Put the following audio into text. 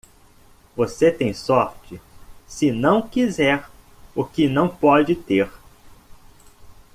Você tem sorte se não quiser o que não pode ter.